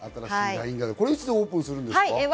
いつオープンするんですか？